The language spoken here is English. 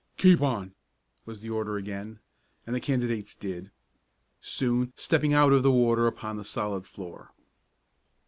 "Keep on!" was the order again, and the candidates did, soon stepping out of the water upon the solid floor.